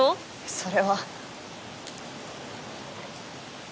それは。